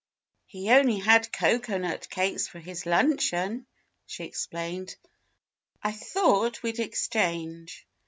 "He only had cocoanut cakes for his luncheon," she explained. "I thought we'd exchange."